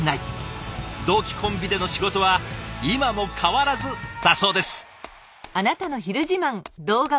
同期コンビでの仕事は今も変わらずだそうです。